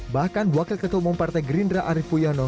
bahkan wakil ketua umum partai gerindra arief puyono